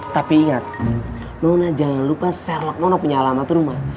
tapi ingat nona jangan lupa serlak nona punya alamat rumah